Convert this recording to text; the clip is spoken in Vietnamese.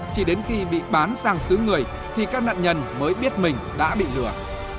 chỉ đến khi bị bán sang xứ người thì các nạn nhân mới biết mình đã bị lừa